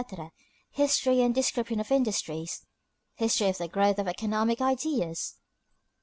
history and description of industries; history of the growth of economic ideas.